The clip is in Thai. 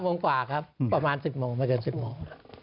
โมงกว่าครับประมาณ๑๐โมงไม่เกิน๑๐โมง